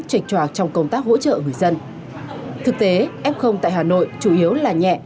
trạch tròa trong công tác hỗ trợ người dân thực tế f tại hà nội chủ yếu là nhẹ